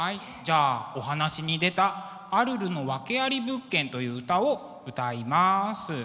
じゃあお話に出た「アルルの訳あり物件」という歌を歌います。